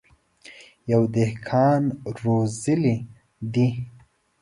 يوه دهقان روزلي دي.